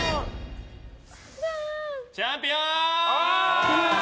チャンピオン！